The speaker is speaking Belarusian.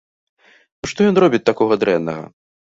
Ну, што ён робіць такога дрэннага?